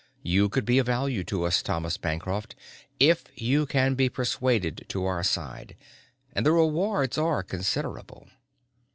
You could be of value to us, Thomas Bancroft, if you can be persuaded to our side, and the rewards are considerable."